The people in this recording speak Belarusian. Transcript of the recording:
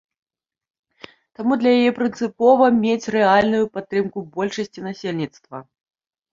Таму для яе прынцыпова мець рэальную падтрымку большасці насельніцтва.